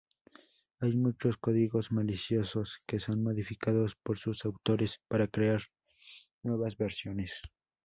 Hay muchos códigos maliciosos que son modificados por sus autores para crear nuevas versiones.